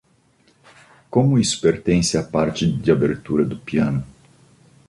Como isso pertence à parte de abertura do piano?